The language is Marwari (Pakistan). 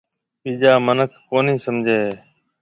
ٻِيجا مِنک ڪونِي سمجهيَ هيَ۔